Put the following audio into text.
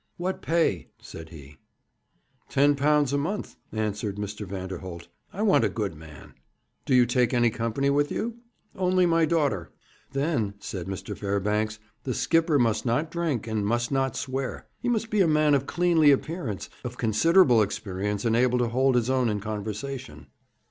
'What pay?' said he. 'Ten pounds a month,' answered Mr. Vanderholt. 'I want a good man.' 'Do you take any company with you?' 'Only my daughter.' 'Then,' said Mr. Fairbanks, 'the skipper must not drink, and must not swear. He must be a man of cleanly appearance, of considerable experience, and able to hold his own in conversation.'